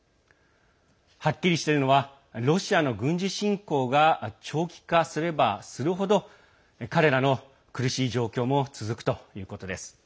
はっきりしているのは、ロシアの軍事侵攻が長期化すればする程彼らの苦しい状況も続くということです。